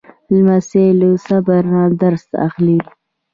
لمسی له صبر نه درس اخلي.